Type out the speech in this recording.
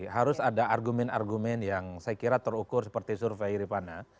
harus ada argumen argumen yang saya kira terukur seperti survei iripana